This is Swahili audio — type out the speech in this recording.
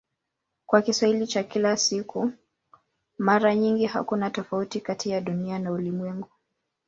Kwa Kiswahili cha kila siku mara nyingi hakuna tofauti kati ya "Dunia" na "ulimwengu".